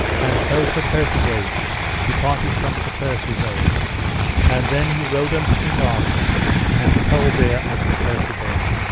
And so Sir Persides departed from Sir Percivale, and then he rode unto King Arthur, and told there of Sir Percivale.